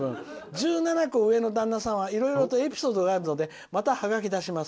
「１７個上の旦那さんはいろいろとエピソードがあるのでまたハガキ出します」。